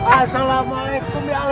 assalamualaikum ya allah